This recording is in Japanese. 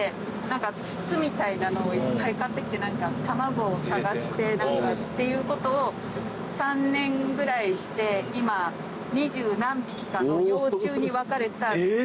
何か筒みたいなのをいっぱい買ってきて卵を探してっていうことを３年ぐらいして今２０何匹かの幼虫に分かれた筒があります。